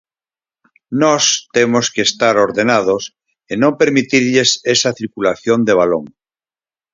Nós temos que estar ordenados e non permitirlles esa circulación de balón.